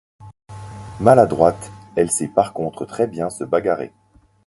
Maladroite, elle sait par contre très bien se bagarrer.